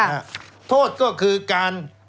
แล้วเขาก็ใช้วิธีการเหมือนกับในการ์ตูน